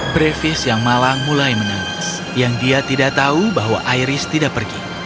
brevis yang malang mulai menangis yang dia tidak tahu bahwa iris tidak pergi